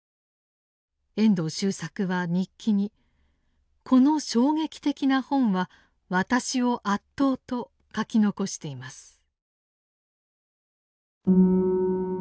遠藤周作は日記に「この衝撃的な本は私を圧倒」と書き残しています。